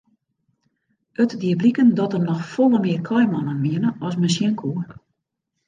It die bliken dat der noch folle mear kaaimannen wiene as men sjen koe.